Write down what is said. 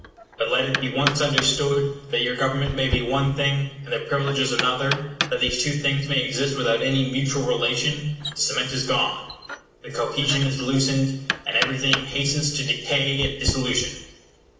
But let it be once understood that your government may be one thing, and their privileges another, that these two things may exist without any mutual relation, the cement is gone the cohesion is loosened and everything hastens to decay and dissolution.